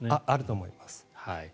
あると思います。